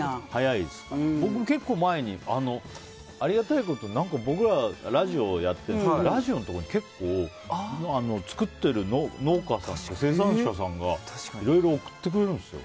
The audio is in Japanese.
僕、結構前にありがたいことに僕らラジオやってるとラジオのところに結構作ってる農家さんとか生産者さんがいろいろ送ってくれるんですよ。